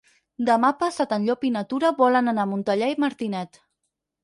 Demà passat en Llop i na Tura volen anar a Montellà i Martinet.